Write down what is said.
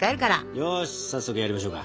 よし早速やりましょうか。